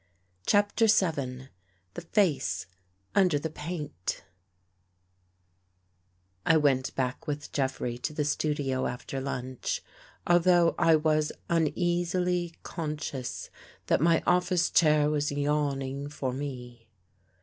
CHAPTER VII THE FACE UNDER THE PAINT 1 WENT back with Jeffrey to the studio after lunch, although I was uneasily conscious that my office chair was yawning for me.